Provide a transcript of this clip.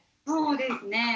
そうですね